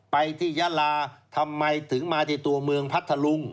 ไปที่ยาลาทำไมถึงมาที่ตัวเมืองพัทธลุง